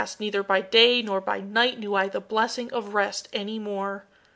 neither by day nor by night knew I the blessing of rest any more!